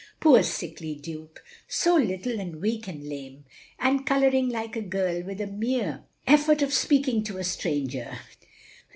Poor sickly Duke! so little and weak and lame ; and colouring like a girl with the mere effort of speaking to a stranger.